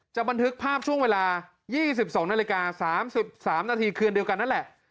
บันทึกภาพช่วงเวลา๒๒นาฬิกา๓๓นาทีคืนเดียวกันนั่นแหละ